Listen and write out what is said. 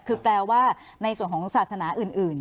คือแปลว่าในส่วนของศาสนาอื่น